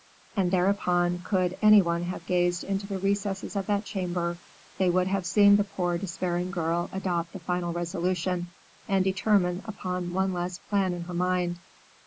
And, thereupon, could any one have gazed into the recesses of that chamber, they would have seen the poor despairing girl adopt a final resolution, and determine upon one last plan in her mind.